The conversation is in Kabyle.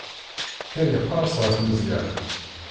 Ken iqerres ɣef Meẓyan.